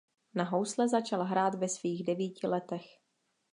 Na housle začal hrát ve svých devíti letech.